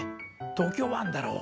東京湾だろう